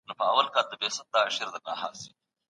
په عملي سياست کې هنري مهارتونه خورا اړين ګڼل کېدل.